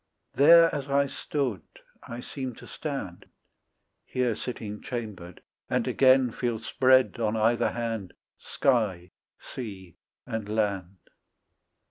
There as I stood I seem to stand, Here sitting chambered, and again Feel spread on either hand Sky, sea, and land.